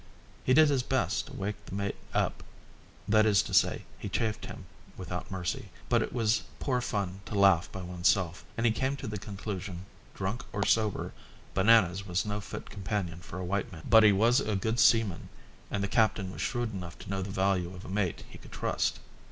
He did his best to wake the mate up, that is to say, he chaffed him without mercy, but it was poor fun to laugh by oneself, and he came to the conclusion that, drunk or sober, Bananas was no fit companion for a white man. But he was a good seaman and the captain was shrewd enough to know the value of a mate he could trust.